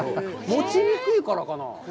持ちにくいからかな。